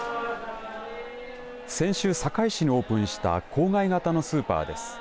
先週、堺市にオープンした郊外型のスーパーです。